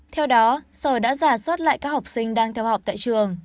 theo đó sở đã giả soát lại các học sinh đang theo học tại trường